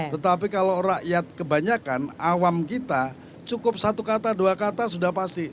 tetapi kalau rakyat kebanyakan awam kita cukup satu kata dua kata sudah pasti